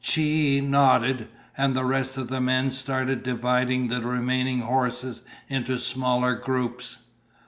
Chie nodded, and the rest of the men started dividing the remaining horses into smaller groups.